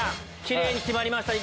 キレイに決まりました